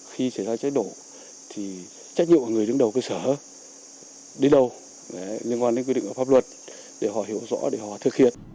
khi cháy cháy đổ thì trách nhiệm của người đứng đầu cơ sở đến đâu liên quan đến quy định của pháp luật để họ hiểu rõ để họ thực hiện